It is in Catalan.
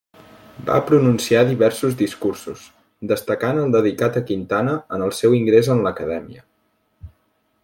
Va pronunciar diversos discursos, destacant el dedicat a Quintana en el seu ingrés en l'Acadèmia.